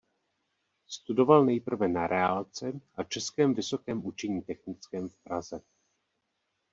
Studoval nejprve na reálce a Českém vysokém učení technickém v Praze.